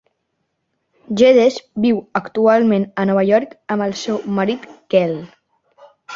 Geddes viu actualment a Nova York amb el seu marit Kel.